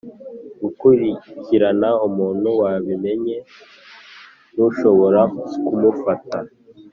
Gukurikirana umuntu wabimenye ntushobora ku mufata